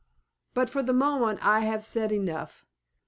But for the moment I have said enough.